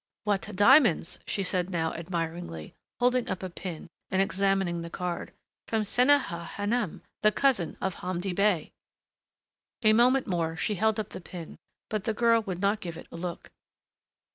"What diamonds!" she said now admiringly, holding up a pin, and, examining the card. "From Seniha Hanum the cousin of Hamdi Bey." A moment more she held up the pin but the girl would not give it a look.